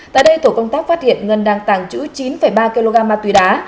tại đây tổ công tác phát hiện ngân đang tàng trữ chín ba kg ma túy đá